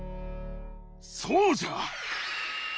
そうじゃ！